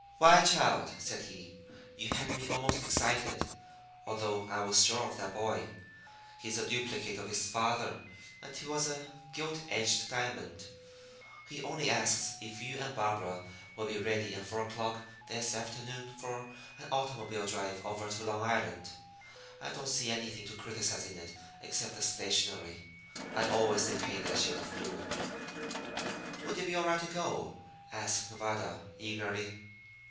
"Why, child," said he, "you had me almost excited, although I was sure of that boy. He's a duplicate of his father, and he was a gilt edged diamond. He only asks if you and Barbara will be ready at four o'clock this afternoon for an automobile drive over to Long Island. I don't see anything to criticise in it except the stationery. I always did hate that shade of blue." "Would it be all right to go?" asked Nevada, eagerly.